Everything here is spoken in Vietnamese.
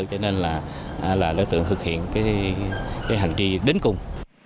cho nên là đối tượng thực hiện cái hành vi đến cùng